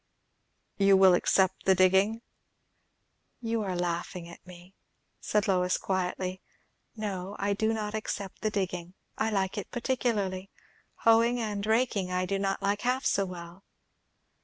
"You will except the digging?" "You are laughing at me," said Lois quietly. "No, I do not except the digging. I like it particularly. Hoeing and raking I do not like half so well."